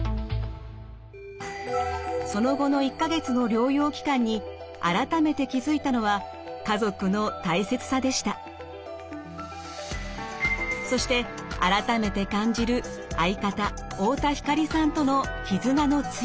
その後の１か月の療養期間に改めて気付いたのはそして改めて感じる相方・太田光さんとの絆の強さ。